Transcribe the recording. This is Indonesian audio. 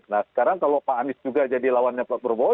nah sekarang kalau pak anies juga jadi lawannya pak prabowo